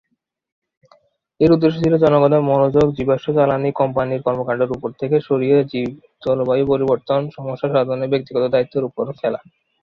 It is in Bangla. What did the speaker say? এর উদ্দেশ্য ছিল জনগণের মনোযোগ জীবাশ্ম জ্বালানি কোম্পানির কর্মকাণ্ডের উপর থেকে সরিয়ে জলবায়ু পরিবর্তন সমস্যা সমাধানে ব্যক্তিগত দায়িত্বের উপর ফেলা।